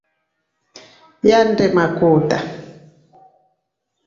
Yande makuta.